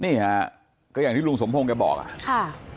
นี่ฮะก็อย่างที่ลุงสมพงศ์แกบอกอ่ะค่ะ